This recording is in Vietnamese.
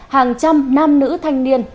hàng trăm nam nữ thanh niên